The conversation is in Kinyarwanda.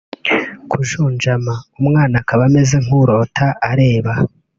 kujunjama (umwana akaba ameze nk’urota areba)